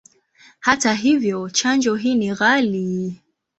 Hata hivyo, chanjo hii ni ghali.